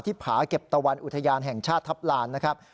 ผาเก็บตะวันอุทยานแห่งชาติทัพลานนะครับ